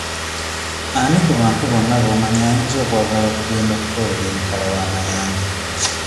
Ani ku bantu bonna b'omanyi ayinza okwagala okugenda okukolera emitala wa mayanja?